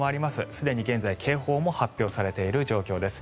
すでに現在警報も発表されている状況です。